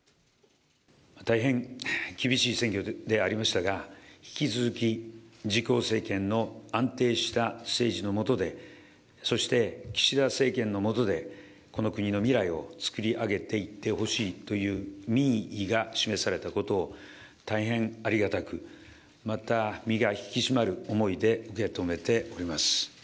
大変厳しい選挙でありましたが、引き続き、自公政権の安定した政治の下で、そして岸田政権の下で、この国の未来を作り上げていってほしいという民意が示されたこと、大変ありがたく、また身が引き締まる思いで受け止めております。